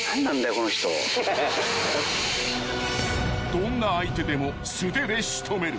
［どんな相手でも素手で仕留める］